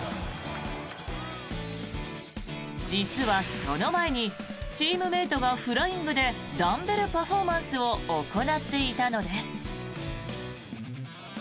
実はその前にチームメートがフライングでダンベルパフォーマンスを行っていたのです。